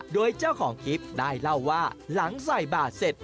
โดยเจ้าของคลิปได้เล่าว่าหลังใส่บาทเสร็จ